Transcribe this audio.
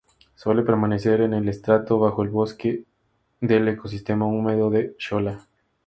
Suele permanecer en el estrato bajo del bosque del ecosistema húmedo del shola.